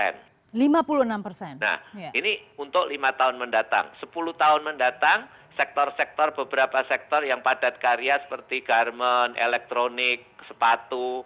nah ini untuk lima tahun mendatang sepuluh tahun mendatang sektor sektor beberapa sektor yang padat karya seperti garmen elektronik sepatu